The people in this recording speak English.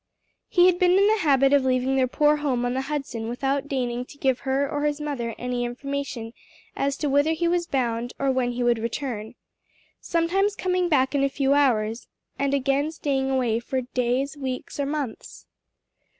He had been in the habit of leaving their poor home on the Hudson without deigning to give her or his mother any information as to whither he was bound or when he would return; sometimes coming back in a few hours, and again staying away for days, weeks or months.